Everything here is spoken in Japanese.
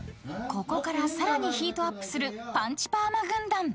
［ここからさらにヒートアップするパンチパーマ軍団］